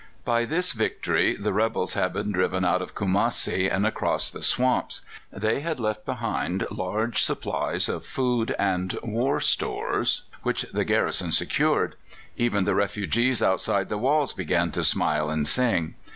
By this victory the rebels had been driven out of Kumassi and across the swamps; they had left behind large supplies of food and war stores, which the garrison secured; even the refugees outside the walls began to smile and sing.